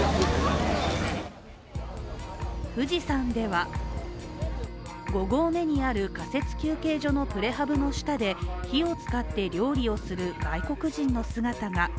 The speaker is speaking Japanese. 富士山では５合目にある仮設休憩所のプレハブの下で火を使って料理をする外国人の姿が。